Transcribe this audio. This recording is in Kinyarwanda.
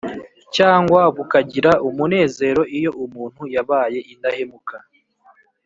cyangwa bukagira umunezero iyo umuntu yabaye indahemuka